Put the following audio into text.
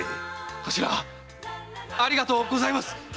頭ありがとうございます！